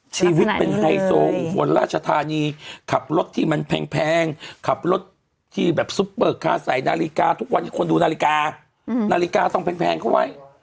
ชีวิตเป็นไฮโซอุบลราชธานีขับรถที่มันแพงขับรถที่แบบซุปเปอร์คาร์ใส่นาฬิกาทุกวันนี้คนดูนาฬิกานาฬิกาต้องแพงเข้าไว้